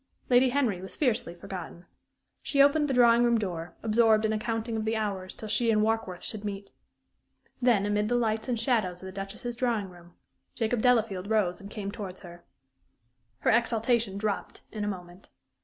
Lady Henry was fiercely forgotten. She opened the drawing room door, absorbed in a counting of the hours till she and Warkworth should meet. Then, amid the lights and shadows of the Duchess's drawing room, Jacob Delafield rose and came towards her. Her exaltation dropped in a moment.